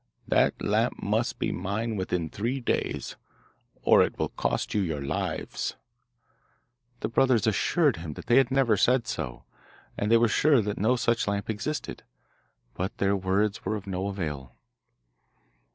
That lamp must be mine within three days, or it will cost you your lives.' The brothers assured him that they had never said so, and they were sure that no such lamp existed, but their words were of no avail.